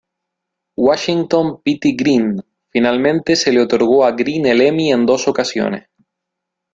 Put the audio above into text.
Washington Petey Greene finalmente se le otorgó a Greene el Emmy en dos ocasiones.